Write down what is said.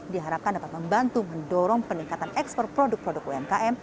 diharapkan dapat membantu mendorong peningkatan ekspor produk produk umkm